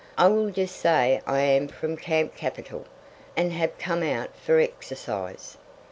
I will just say I am from Camp Capital, and have come out for exercise.